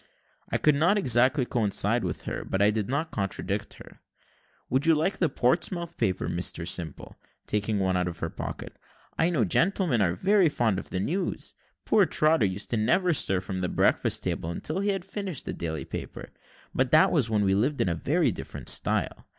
I could not exactly coincide with her, but I did not contradict her. "Would you like the Portsmouth paper, Mr Simple?" taking one out of her pocket; "I know gentlemen are fond of the news. Poor Trotter used never to stir from the breakfast table until he had finished the daily paper but that was when we lived in very different style.